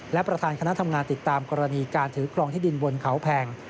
และประธานคณะทำงานติดตามกรณีการถือครองที่ดินบนเขาแพง